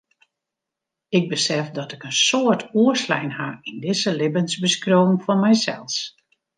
Ik besef dat ik in soad oerslein ha yn dizze libbensbeskriuwing fan mysels.